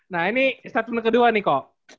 nah ini statement kedua nih kok